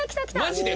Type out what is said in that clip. マジで？